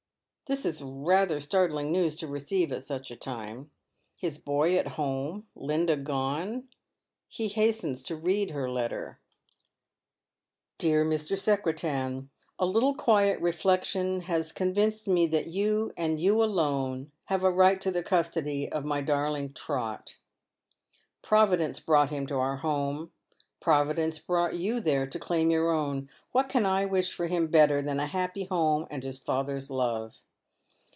This is rather startling news to receive at such a time. His boy at home, Linda gone. He hastens to read her letter. " Dear Mr. Secretan, " A little quiet reflection has convinced me that you, and you alone, have a right to the custody of my darling Trot. Providence brought him to our home. Providence brought you there to claim your own. What can I wish for him better than a happy home and his father's love